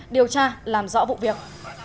điều tra làm rõ vụ việc